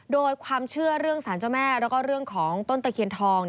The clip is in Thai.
โดยความเชื่อเรื่องสารเจ้าแม่แล้วก็เรื่องของต้นตะเคียนทอง